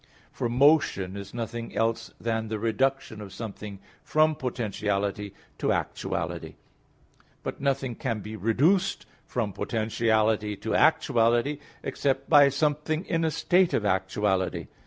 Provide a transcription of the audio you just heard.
For motion is nothing else than the reduction of something from potentiality to actuality. But nothing can be reduced from potentiality to actuality, except by something in a state of actuality.